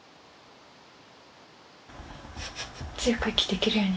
強く生きていけるよね。